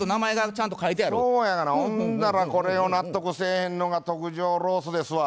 そうやがなほんだらこれを納得せえへんのが特上ロースですわ。